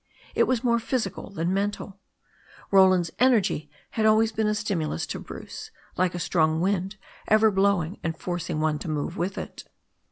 It was more physical than mental. Roland's energy had always been a stimulus to Bruce, like a strong wind ever blowing and forcing one to move with it.